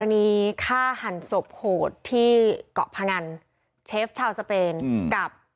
คดีฆ่าหันศพโหดที่เกาะพงันเชฟชาวสเปนกับ